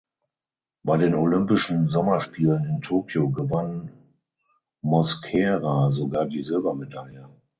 Bei den Olympischen Sommerspielen in Tokio gewann Mosquera sogar die Silbermedaille.